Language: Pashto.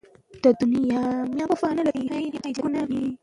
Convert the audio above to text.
زه د اوکاډو او بلوبېري سپک خواړه خوښوم.